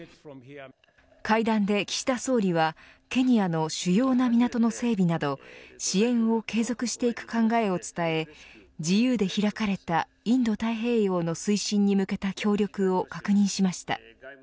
会談で岸田総理はケニアの主要な港の整備など支援を継続していく考えを伝え自由で開かれたインド太平洋の推進に向けた協力を確認しました。